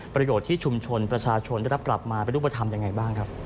ประโยชน์ที่ชุมชนประชาชนได้รับกลับมาเป็นรูปธรรมยังไงบ้างครับ